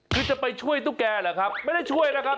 คือจะไปช่วยตุ๊กแกเหรอครับไม่ได้ช่วยนะครับ